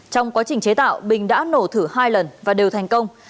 trong quá trình chế tạo bình đã nổ thử hai lần và đều thành công